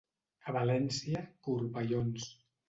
A València, corbellons.